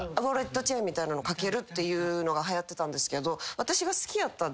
ウォレットチェーンみたいなのを掛けるっていうのがはやってたんですけど。